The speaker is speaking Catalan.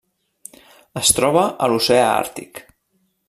Es troba a l'oceà Àrtic.